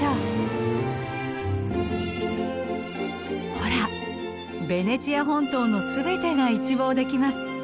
ほらベネチア本島の全てが一望できます。